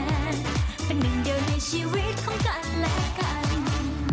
เป็นหนึ่งเดียวในชีวิตของกันและกัน